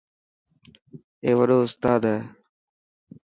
اي وڏو استاد هي.